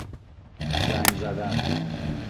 زنگ زدن